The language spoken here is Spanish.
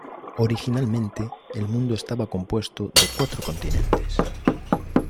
Originalmente, el mundo estaba compuesto de cuatro continentes.